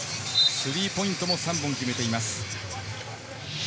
スリーポイントも３本決めています。